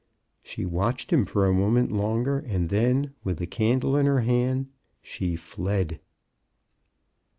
She watched him for a mo ment longer, and then, with the candle in her hand, she fled.